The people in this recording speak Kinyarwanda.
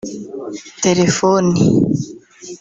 telefoni